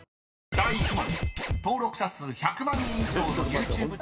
［第１問］